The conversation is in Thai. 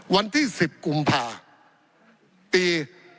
วันที่๑๐กุมภาคมปี๑๙๖๔